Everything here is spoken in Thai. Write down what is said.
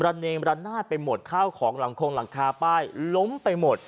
เนมระนาดไปหมดข้าวของหลังคงหลังคาป้ายล้มไปหมด